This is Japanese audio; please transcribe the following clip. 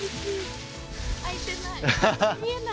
開いてない。